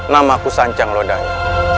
namaku sancang lodanya